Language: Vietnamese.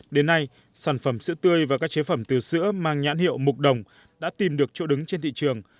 đến nay sản phẩm sữa tươi và các chế phẩm từ sữa mang nhãn hiệu mục đồng đã tìm được chỗ đứng trên thị trường